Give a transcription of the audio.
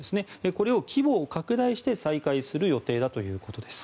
これを規模を拡大して再開する予定だということです。